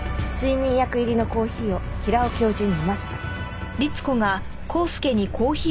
睡眠薬入りのコーヒーを平尾教授に飲ませた。